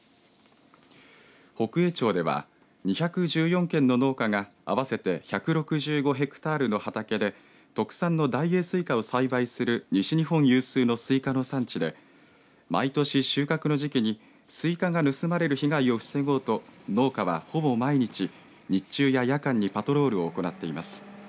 北栄町では２１４軒の農家が合わせて１６５ヘクタールの畑で特産の大栄西瓜を栽培する西日本有数のスイカの産地で毎年、収穫の時期にスイカが盗まれる被害を防ごうと農家は、ほぼ毎日日中や夜間にパトロールを行っています。